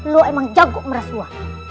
lo emang jago merasua